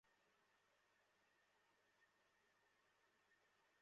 আমার হৃদয়ও ভেঙে চুরমার হয়ে গেছে!